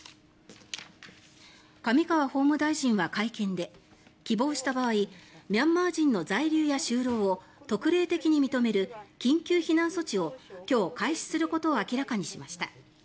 上川法務大臣は会見で希望した場合ミャンマー人の在留や就労を特例的に認める緊急避難措置を今日、開始することを明らかにしました。